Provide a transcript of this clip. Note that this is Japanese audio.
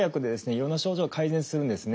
いろんな症状を改善するんですね。